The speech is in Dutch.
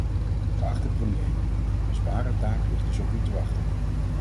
Geachte premier, een zware taak ligt dus op u te wachten.